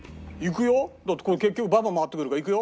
だってこれ結局ババ回ってくるからいくよ。